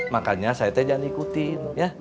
makanya saya jangan ikutin ya